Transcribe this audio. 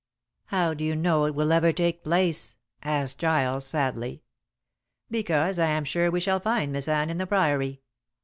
"How do you know it will ever take place?" asked Giles sadly. "Because I am sure we shall find Miss Anne in the Priory.